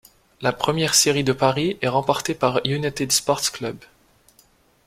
La première série de Paris est remportée par United Sports Club.